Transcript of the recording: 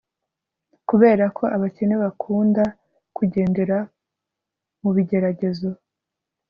Kuberako abakene bakunda kugendera mubigeragezo